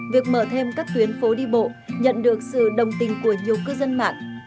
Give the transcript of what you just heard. việc mở thêm các tuyến phố đi bộ nhận được sự đồng tình của nhiều cư dân mạng